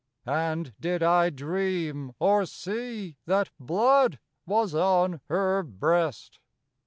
And did I dream, or see, That blood was on her breast?